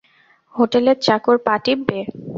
হোটেলের চাকর পা টিপবে?